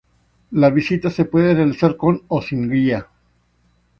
La visita se puede realizar con o sin guía.